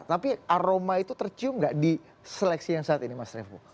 tapi aroma itu tercium nggak di seleksi yang saat ini mas revo